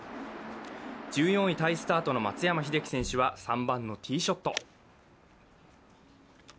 １４位タイスタートの松山英樹は、３番のティーショット。